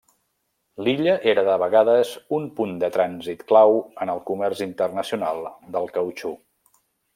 L'illa era de vegades un punt de trànsit clau en el comerç internacional del cautxú.